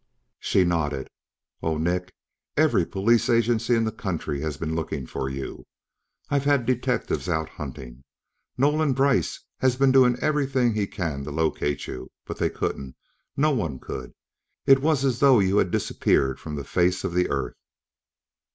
She nodded. "Oh, Nick, every police agency in the country has been looking for you. I've had detectives out hunting. Nolan Brice has been doing everything he can to locate you. But they couldn't. No one could. It was as though you had disappeared from the face of the earth."